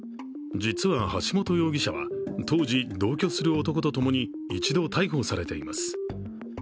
実は橋本容疑者は当時、同居する男と共に一度逮捕されています。